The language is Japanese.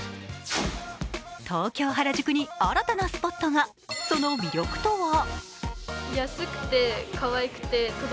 東京・原宿に新たなスポットが、その魅力とは？